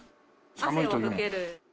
汗を拭ける。